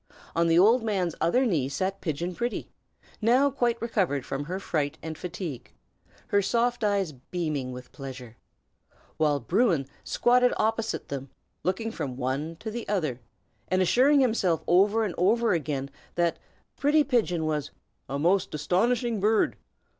On the good man's other knee sat Pigeon Pretty, now quite recovered from her fright and fatigue, her soft eyes beaming with pleasure; while Bruin squatted opposite them, looking from one to the other, and assuring himself over and over again that Pigeon Pretty was "a most astonishing bird!